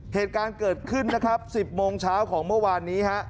เหตุการณ์เกิดขึ้นนะครับ๑๐โมงเช้าของเมื่อวานนี้ฮะ